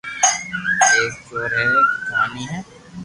او ايڪ چور ري ڪياني ھي